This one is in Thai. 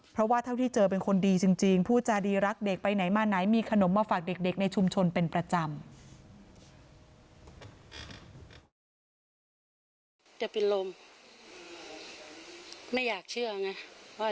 เพราะว่าเท่าที่เจอเป็นคนดีจริงผู้จาดีรักเด็กไปไหนมาไหนมีขนมมาฝากเด็กในชุมชนเป็นประจำ